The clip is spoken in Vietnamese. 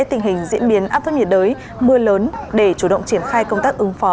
tình hình diễn biến áp thấp nhiệt đới mưa lớn để chủ động triển khai công tác ứng phó